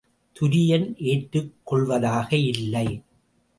துரியன் ஏற்றுக் கொள்ளவதாக இல்லை.